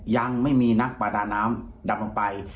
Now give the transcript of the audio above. ยังไม่มีนักประดาน้ำดำลงไป